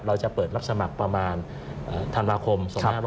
เราจะเปิดรับสมัครประมาณธันวาคม๒๕๖๐